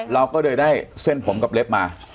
เราก็เลยได้เส้นผมกับเล็บมา